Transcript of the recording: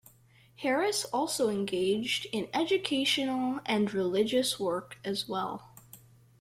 Harris also engaged in educational and religious work as well.